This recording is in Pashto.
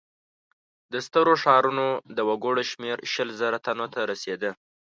د سترو ښارونو د وګړو شمېر شل زره تنو ته رسېده.